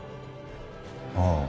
ああ。